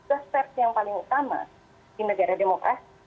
dan saya kira itu keputusan yang paling utama di negara demokrasi